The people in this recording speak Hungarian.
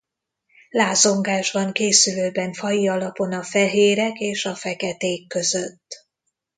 Lázongás van készülőben faji alapon a fehérek és a feketék között.